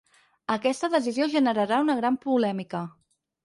Aquesta decisió generarà una gran polèmica.